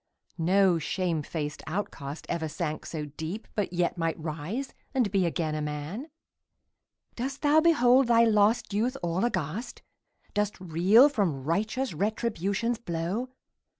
No shame faced outcast ever sank so deep, But yet might rise and be again a man ! Dost thou behold thy lost youth all aghast? Dost reel from righteous Retribution's blow?